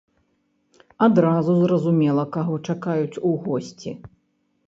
Адразу зразумела, каго чакаюць у госці.